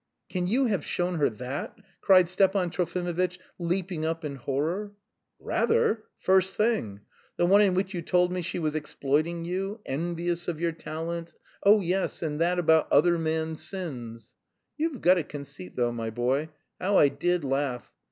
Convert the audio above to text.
"Can you have shown her that?" cried Stepan Trofimovitch, leaping up in horror. "Rather! First thing. The one in which you told me she was exploiting you, envious of your talent; oh, yes, and that about 'other men's sins.' You have got a conceit though, my boy! How I did laugh.